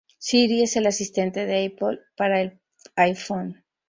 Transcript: Siri es el asistente de Apple para el iPhone.